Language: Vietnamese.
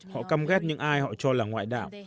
họ cam ghét những ai họ cho là ngoại đạo